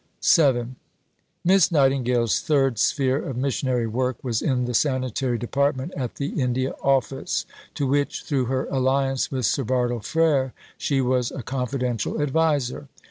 Bibliography A, No. 56. VII Miss Nightingale's third sphere of missionary work was in the Sanitary Department at the India Office, to which, through her alliance with Sir Bartle Frere, she was a confidential adviser.